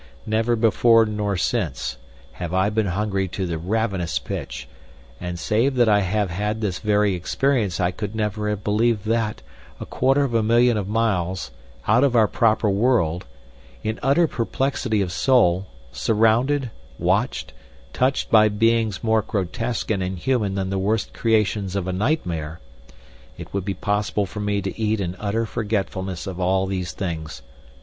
Never before nor since have I been hungry to the ravenous pitch, and save that I have had this very experience I could never have believed that, a quarter of a million of miles out of our proper world, in utter perplexity of soul, surrounded, watched, touched by beings more grotesque and inhuman than the worst creations of a nightmare, it would be possible for me to eat in utter forgetfulness of all these things.